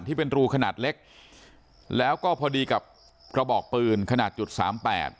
ที่เป็นรูขนาดเล็กแล้วก็พอดีกับกระบอกปืนขนาดจุดสามแปด